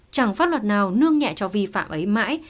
chẳng pháp luật nào nương nhẹ cho vi phạm ấy mãi